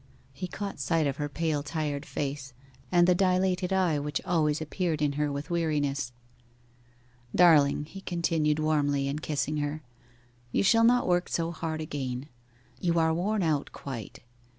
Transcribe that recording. He caught sight of her pale tired face, and the dilated eye which always appeared in her with weariness. 'Darling,' he continued warmly, and kissing her, 'you shall not work so hard again you are worn out quite.